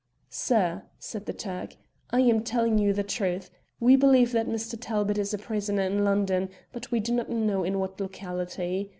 "Sir," said the Turk, "I am telling you the truth. We believe that Mr. Talbot is a prisoner in London, but we do not know in what locality.